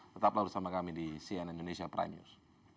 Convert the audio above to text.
tetaplah bersama kami di cnn indonesia prime news